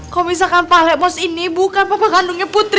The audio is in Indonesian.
kau misalkan pahlek bos ini bukan papa kandungnya putri